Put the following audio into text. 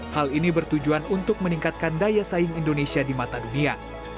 hal ini bertujuan untuk meningkatkan daya saing indonesia di mata dunia